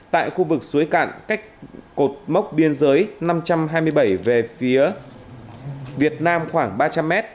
tại khu vực suối cạn cách cột mốc biên giới năm trăm hai mươi bảy về phía việt nam khoảng ba trăm linh m